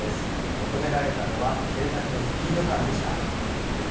求められたのは政策のスピード感でした。